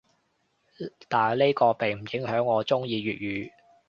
但呢個並唔影響我中意粵語‘